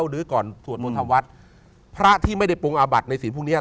หรือก่อนสวดมธวรรษพระที่ไม่ได้ปรงอาบัติในศีลพรุ่งนี้